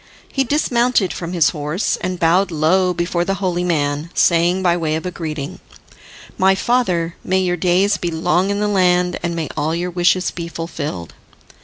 He dismounted from his horse, and bowed low before the holy man, saying by way of greeting, "My father, may your days be long in the land, and may all your wishes be fulfilled!"